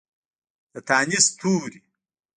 د تانیث توري